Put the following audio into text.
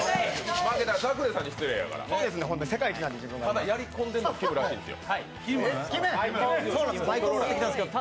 ただ、やりこんでるのはきむらしいですよ。